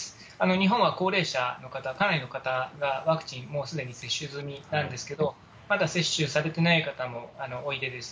日本は高齢者の方、かなりの方がワクチン、もうすでに接種済みなんですけれども、まだ接種されてない方もおいでです。